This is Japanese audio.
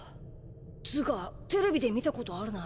つうかテレビで見たことあるな。